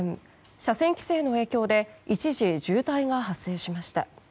車線規制の影響で一時、渋滞が発生しました。